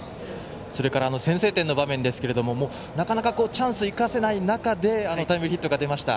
それから先制点の場面ですがなかなかチャンスを生かせない中あのタイムリーヒットが出ました。